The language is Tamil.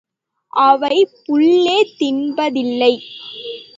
அவை புல்லே தின்பதில்லை.